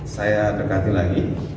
saya berkati lagi